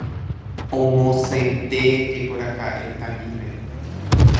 Omosẽtéjekoraka'e Taníme.